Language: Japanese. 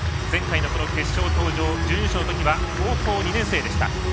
前回の決勝登場、準優勝のときは高校２年生でした。